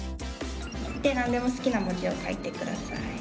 で何でも好きな文字を書いて下さい。